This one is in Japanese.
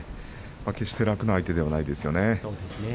決して楽な相手ではないですね。